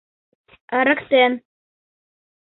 ырыктен.